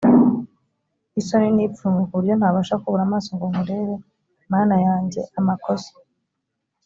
isoni n ipfunwe ku buryo ntabasha kubura amaso ngo nkurebe mana yanjye amakosa